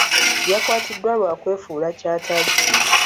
Yakwatiddwa lwa kwefuula ky'atali.